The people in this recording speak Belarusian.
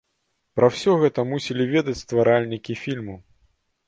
Пра ўсё гэта мусілі ведаць стваральнікі фільму.